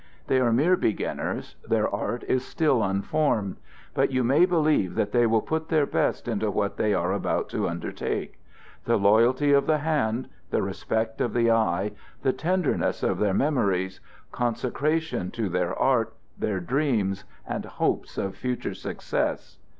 They are mere beginners; their art is still unformed. But you may believe that they will put their best into what they are about to undertake; the loyalty of the hand, the respect of the eye, the tenderness of their memories, consecration to their art, their dreams and hopes of future success.